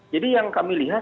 jadi yang kami lihat